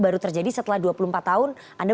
baru terjadi setelah dua puluh empat tahun anda